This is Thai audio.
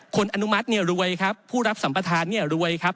อนุมัติเนี่ยรวยครับผู้รับสัมประธานเนี่ยรวยครับ